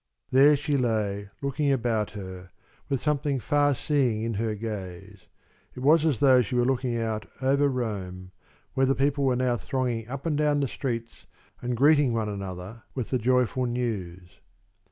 There she lay looking about her, with something far seeing in her gaze. It was as though she were looking out over Rome, where the people were now thronging up and down the streets and greeting one another with the joyful news.